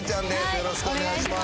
よろしくお願いします。